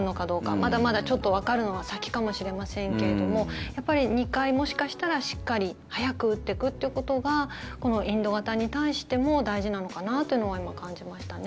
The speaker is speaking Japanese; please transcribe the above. まだまだ、ちょっとわかるのは先かもしれませんけれどもやっぱり２回、もしかしたらしっかり早く打っていくということがこのインド型に対しても大事なのかなというのは今、感じましたね。